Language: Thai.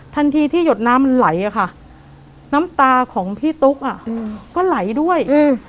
ทันทีที่หยดน้ำมันไหลอะค่ะน้ำตาของพี่ตุ๊กอ่ะอืมก็ไหลด้วยอืม